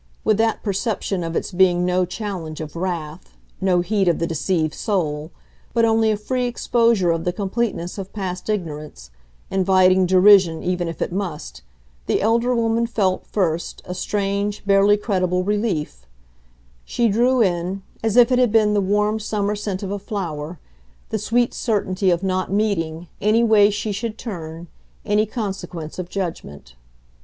With that perception of its being no challenge of wrath, no heat of the deceived soul, but only a free exposure of the completeness of past ignorance, inviting derision even if it must, the elder woman felt, first, a strange, barely credible relief: she drew in, as if it had been the warm summer scent of a flower, the sweet certainty of not meeting, any way she should turn, any consequence of judgment.